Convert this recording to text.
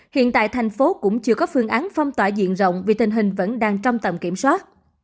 hiện tại thành phố cũng chưa có phương án phong tỏa diện rộng vì tình hình vẫn đang trong tầm kiểm soát